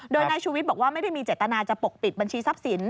โดยนายชูวิทย์บอกว่าไม่ได้มีเจตนาจะปกปิดบัญชีทรัพย์สิน